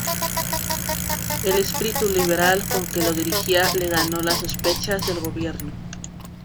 El espíritu liberal con que lo dirigía le ganó las sospechas del gobierno.